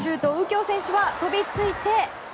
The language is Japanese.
京選手は飛びついて。